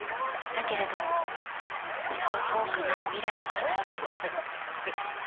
だけれどもそう遠くない未来の話おかえり！